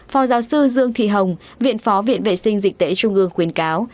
phó giáo sư dương thị hồng viện phó viện vệ sinh dịch tễ trung ương khuyến cáo